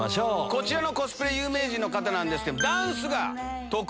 こちらのコスプレ有名人の方ですけど。